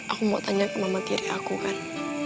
aku mau tanya ke mama tiri aku kan